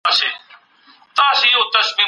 د زعفرانو صادرات ملي عاید زیاتوي.